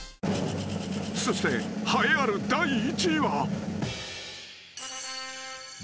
［そして栄えある第１位は］